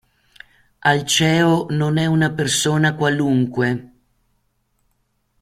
Alceo non è una persona qualunque.